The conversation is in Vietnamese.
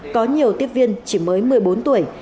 có nhiều tiếp viên chỉ mới một mươi bốn tuổi